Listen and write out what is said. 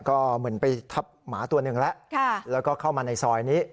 ก็เหมือนไปทับหมาตัวหนึ่งแล้วแล้วก็เข้ามาในซอยนี้